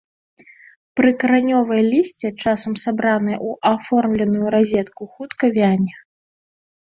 Прыкаранёвае лісце часам сабранае ў аформленую разетку, хутка вяне.